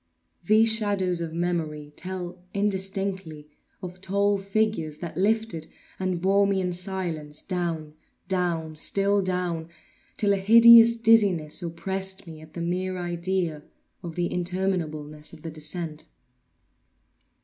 These shadows of memory tell, indistinctly, of tall figures that lifted and bore me in silence down—down—still down—till a hideous dizziness oppressed me at the mere idea of the interminableness of the descent.